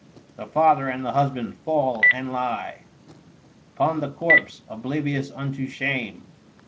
The Father and the Husband fall and lie Upon the corpse, — oblivious unto shame.